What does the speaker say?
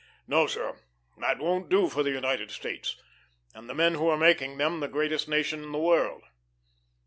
No, sir, that won't do for the United States and the men who are making them the greatest nation of the world.